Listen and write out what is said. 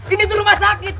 ini tuh rumah sakit